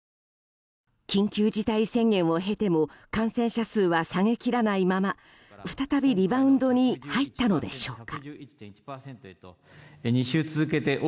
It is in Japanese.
緊急事態宣言を経ても感染者数は下げ切らないまま再びリバウンドに入ったのでしょうか。